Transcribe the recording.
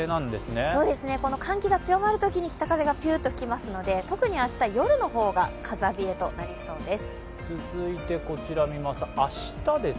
寒気が強まるときに北風がピュッと吹きますので特に明日、夜の方が風冷えとなりそうです。